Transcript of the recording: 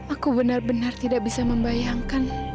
aku benar benar tidak bisa membayangkan